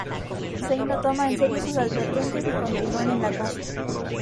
Zane no toma en serio sus advertencias y continúan en la casa.